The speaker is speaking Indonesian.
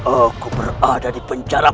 aku berada di penjara